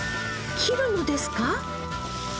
切るのですか？